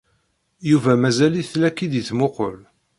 Yuba mazal-it la k-id-yettmuqqul.